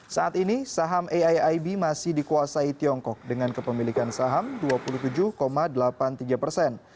saat ini saham aiib masih dikuasai tiongkok dengan kepemilikan saham dua puluh tujuh delapan puluh tiga persen